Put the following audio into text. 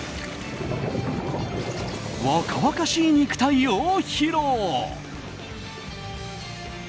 若々しい肉体を披露。